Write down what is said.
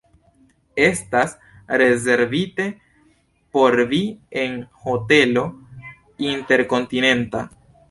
Estas rezervite por vi en Hotelo Interkontinenta!